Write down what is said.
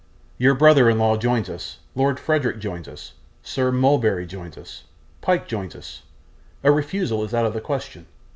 Your brother in law joins us, Lord Frederick joins us, Sir Mulberry joins us, Pyke joins us a refusal is out of the question.